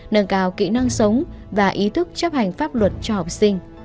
nâng cao kỹ năng sống và ý thức chấp hành pháp luật cho học sinh